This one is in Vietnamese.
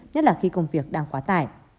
nhất là khi công việc đang quá tải